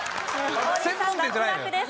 王林さん脱落です。